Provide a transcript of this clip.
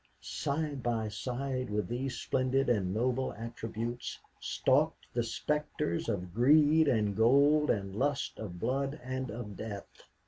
side by side with these splendid and noble attributes stalked the specters of greed and gold and lust of blood and of death.